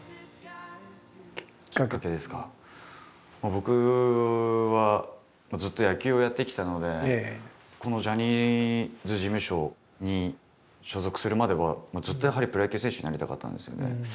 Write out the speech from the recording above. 僕はずっと野球をやってきたのでこのジャニーズ事務所に所属するまではずっとやはりプロ野球選手になりたかったんですよね。